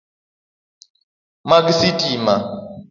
Mag sitima.